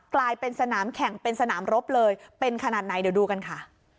กลายเป็นสนามแข่งเป็นสนามรบเลยเป็นขนาดไหนเดี๋ยวดูกันค่ะ